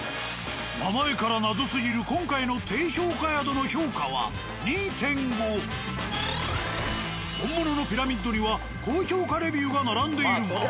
名前から謎すぎる今回の低評価宿の評価は本物のピラミッドには高評価レビューが並んでいるが。